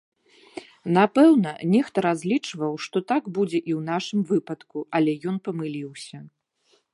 Напэўна, нехта разлічваў, што так будзе і ў нашым выпадку, але ён памыліўся.